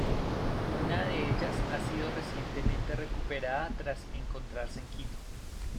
Una de ellas ha sido recientemente recuperada tras encontrarse en Quito